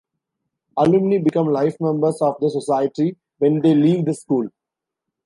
Alumni become life members of the Society when they leave the school.